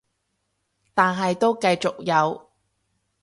但係都繼續有